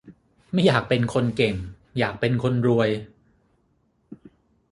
ไม่อยากเป็นคนเก่ง อยากเป็นคนรวย